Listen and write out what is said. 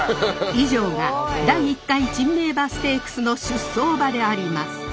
以上が第１回珍名馬ステークスの出走馬であります！